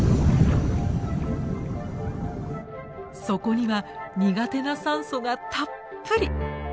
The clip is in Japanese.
そこには苦手な酸素がたっぷり。